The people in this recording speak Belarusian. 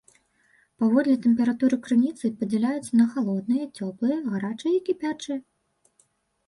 Паводле тэмпературы крыніцы падзяляюцца на халодныя, цёплыя, гарачыя і кіпячыя.